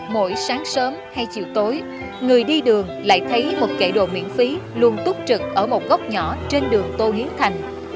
mỗi sáng sớm hay chiều tối người đi đường lại thấy một kệ đồ miễn phí luôn túc trực ở một góc nhỏ trên đường tô hiến thành